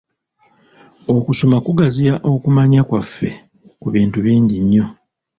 Okusoma kugaziya okumanya kwaffe ku bintu bingi nnyo.